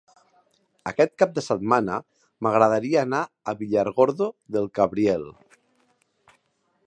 Aquest cap de setmana m'agradaria anar a Villargordo del Cabriel.